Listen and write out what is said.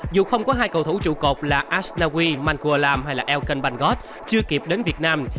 dù không có hai cầu thủ trụ cột là asnawi mangkualam hay là elkhan banggot chưa kịp đến việt nam